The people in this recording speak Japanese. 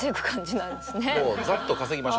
もうざっと稼ぎましょう。